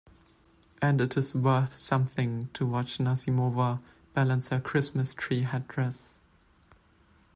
And it is worth something to watch Nazimova balance her Christmas-tree headdress!